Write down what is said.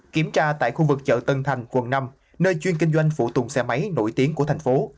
kiểm tra tại khu vực chợ tân thành quận năm nơi chuyên kinh doanh phụ tùng xe máy nổi tiếng của thành phố